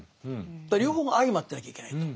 だから両方が相まってなきゃいけないと。